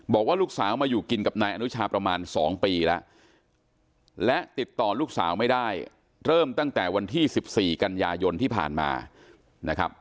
บอกว่าลูกสาวมาอยู่กินกับนายอนุชาประมาณ๒ปีแล้วและติดต่อลูกสาวไม่ได้เริ่มตั้งแต่วันที่๑๔กันยายนที่ผ่านมานะครับ